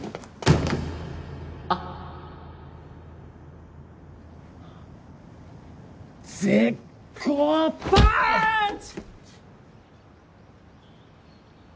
あっ絶交パーンチ！